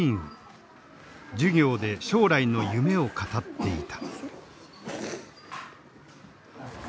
授業で将来の夢を語っていた。